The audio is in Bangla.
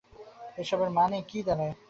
এসবের মানে কী দাঁড়ায়?